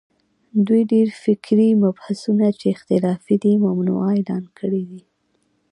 دوی ډېر فکري مبحثونه چې اختلافي دي، ممنوعه اعلان کړي دي